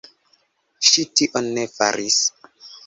Ŝi tion ne faris.